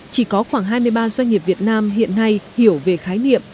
chỉ có khoảng hai mươi ba doanh nghiệp việt nam hiện nay hiểu về khái niệm